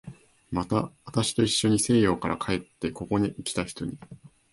また、私といっしょに西洋から帰ってここへきた人に